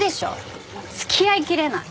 もう付き合いきれない。